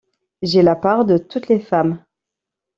J’ai la part de toutes les femmes!